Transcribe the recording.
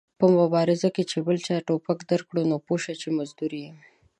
په مبارزه کې چې بل چا ټوپک درکړ پوه سه چې مزدور ېې